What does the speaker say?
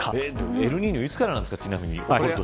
エルニーニョいつからなんですか。